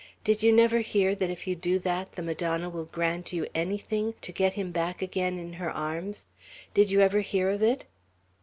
Did you never hear, that if you do that, the Madonna will grant you anything, to get him back again in her arms' Did you ever hear of it?"